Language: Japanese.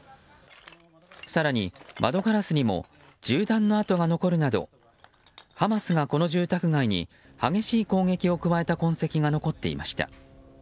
更に窓ガラスにも銃弾の跡が残るなどハマスがこの住宅街に激しい攻撃を加えた痕跡が残っていました。